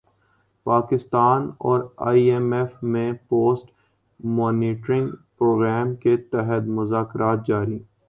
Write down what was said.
پاکستان اور I M F میں post monitoring programme کے تحت مذاکرات جاری